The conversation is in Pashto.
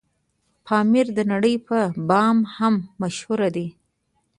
پامير دنړۍ په بام هم مشهور دی